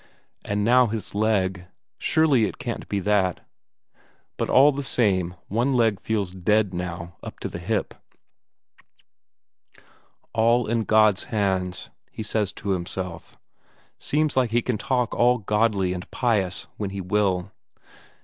and now his leg surely, it can't be that but all the same one leg feels dead now up to the hip. "All in God's hands," he says to himself seems like he can talk all godly and pious when he will.